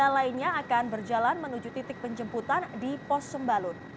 tiga lainnya akan berjalan menuju titik penjemputan di pos sembalun